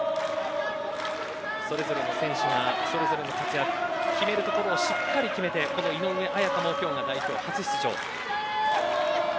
それぞれの選手がそれぞれの活躍決めるところをしっかり決めて井上綾香も今日が代表初出場。